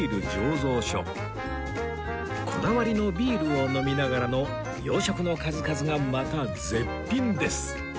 こだわりのビールを飲みながらの洋食の数々がまた絶品です！